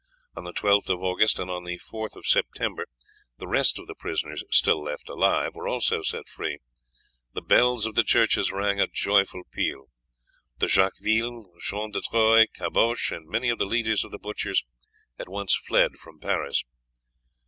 On the 12th of August and on the 4th of September the rest of the prisoners still left alive were also set free. The bells of the churches rang a joyful peal. De Jacqueville, John de Troyes, Caboche, and many of the leaders of the butchers at once fled from Paris.